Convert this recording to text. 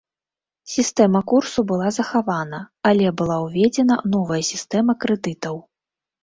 Сістэма курсу была захавана, але была ўведзена новая сістэма крэдытаў.